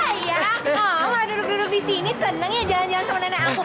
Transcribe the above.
sayang mau duduk duduk di sini senang ya jalan jalan sama nenek aku